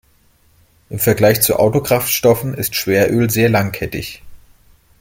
Im Vergleich zu Autokraftstoffen ist Schweröl sehr langkettig.